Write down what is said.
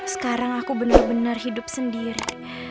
sekarang aku benar benar hidup sendiri